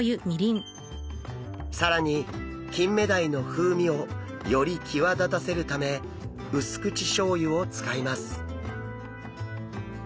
更にキンメダイの風味をより際立たせるため薄口しょう油を使います。